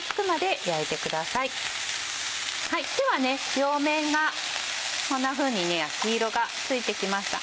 では両面がこんなふうに焼き色がついてきました。